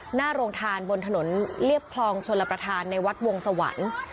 หน้าโรงทานบนถนนเรียบคลองชลประธานในวัดวงสวรรค์